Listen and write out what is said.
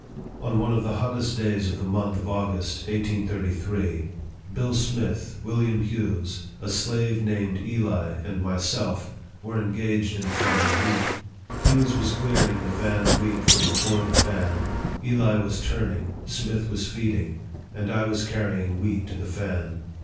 On one of the hottest days of the month of August, 1833, Bill Smith, William Hughes, a slave named Eli, and myself, were engaged in fanning wheat. Hughes was clearing the fanned wheat from before the fan, Eli was turning, Smith was feeding, and I was carrying wheat to the fan.